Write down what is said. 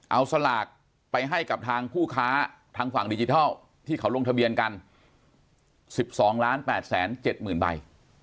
เอาสลากไปให้กับทางผู้ค้าทางฝั่งดิจิทัลที่เขาลงทะเบียนกัน๑๒๘๗๐๐ใบ